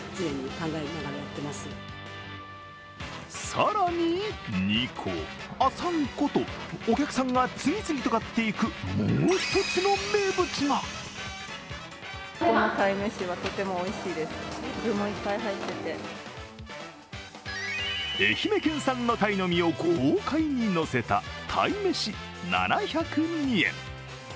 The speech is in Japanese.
更に、２個、３個とお客さんが次々と買っていくもう一つの名物が愛媛県産のタイの身を豪快にのせた、たいめし７０２円。